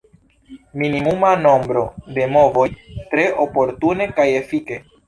Minimuma nombro de movoj – tre oportune kaj efike.